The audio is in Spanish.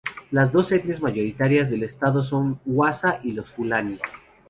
Las dos etnias mayoritarias del estado son los hausa y los fulani.